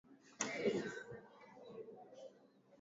Na kwenye mashindano ya mabingwa Ulaya akipewa